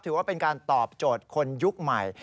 ถือว่าเป็นการตอบโจทย์คนยุคใหม่